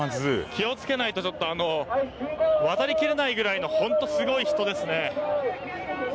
気を付けないとちょっと渡り切れないくらいの本当にすごい人ですね。